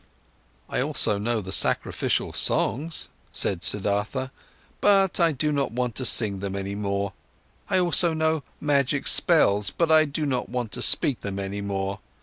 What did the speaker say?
"I also know the sacrificial songs," said Siddhartha, "but I do not want to sing them any more. I also know magic spells, but I do not want to speak them any more.